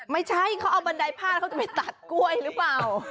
ไม่ใช่เขาเอาบันไดพาดเขาจะไปตัดกล้วยหรือเปล่า